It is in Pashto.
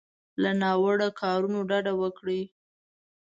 له ناوړو کارونو ډډه وکړي.